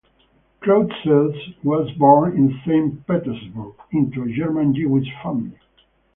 Kreutzer was born in Saint Petersburg into a German-Jewish family.